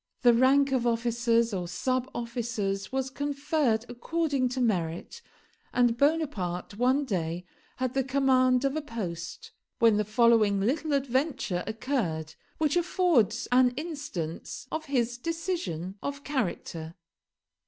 The rank of officers or sub officers was conferred according to merit; and Bonaparte one day had the command of a post, when the following little adventure occurred, which affords an instance of his decision of character.